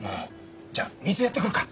じゃ水やってくるか。